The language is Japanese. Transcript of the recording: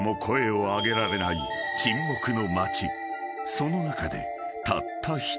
［その中でたった一人］